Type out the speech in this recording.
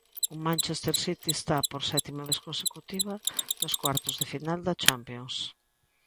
O Manchester City está, por sétima vez consecutiva, nos cuartos de final da Champions